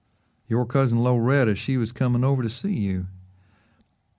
"Your cousin, Loretta, said she was coming over to see you."